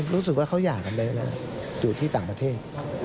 รู้สึกว่าเขาหย่ากันแล้วนะอยู่ที่ต่างประเทศ